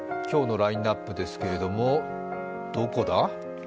今日のラインナップですけれども、どこだ？